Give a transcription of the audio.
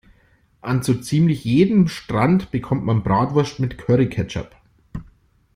An so ziemlich jedem Stand bekommt man Bratwurst mit Curry-Ketchup.